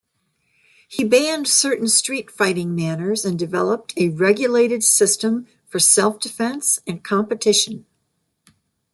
He banned certain street-fighting manners and developed a regulated system for self-defense and competition.